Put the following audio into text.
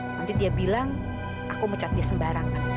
nanti dia bilang aku mecat dia sembarangan